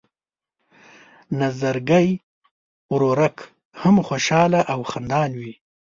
نظرګی ورورک هم خوشحاله او خندان وي.